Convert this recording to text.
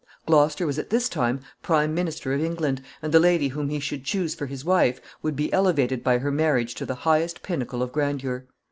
Gloucester was at this time prime minister of England, and the lady whom he should choose for his wife would be elevated by her marriage to the highest pinnacle of grandeur.